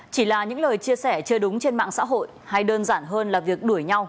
chỉ là những lời chia sẻ chưa đúng trên mạng xã hội hay đơn giản hơn là việc đuổi nhau